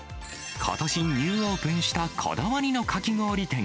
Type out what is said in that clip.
ことし、ニューオープンしたこだわりのかき氷店。